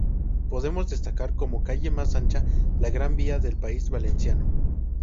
Podemos destacar como calle más ancha la Gran Vía del País Valenciano.